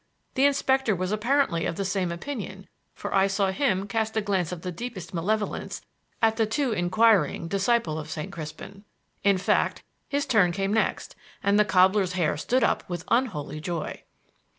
The inspector was apparently of the same opinion, for I saw him cast a glance of the deepest malevolence at the too inquiring disciple of St. Crispin. In fact, his turn came next, and the cobbler's hair stood up with unholy joy.